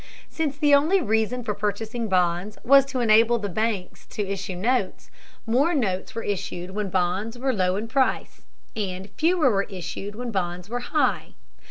Since the only reason for purchasing bonds was to enable the b banks to issue notes, more notes were issued when bonds were low in price, and fewer were issued when bonds were high.